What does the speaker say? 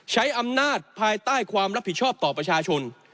ใช้อำนาจภายใต้ความรับผิดชอบต่อประชาชน